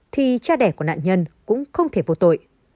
thì cha đẻ của nạn nhân cũng không thể vô tội